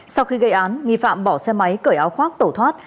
sau khi gây án nghi phạm bỏ xe máy cởi áo khoác tẩu thoát